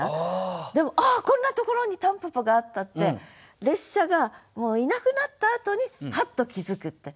でも「ああこんなところに蒲公英があった」って列車がもういなくなったあとにハッと気付くって。